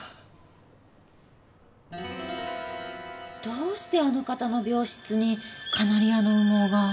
どうしてあの方の病室にカナリアの羽毛が？